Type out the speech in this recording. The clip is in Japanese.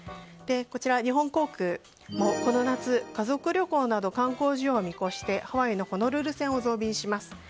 こちら、日本航空もこの夏家族旅行など観光需要を見越してハワイのホノルル便を増便。